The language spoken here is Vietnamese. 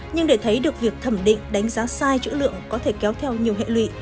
nhưng để thấy được việc thẩm định đánh giá sai chữ lượng có thể kéo theo nhiều hệ lụy